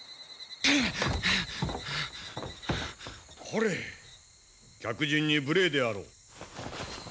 これ客人に無礼であろう！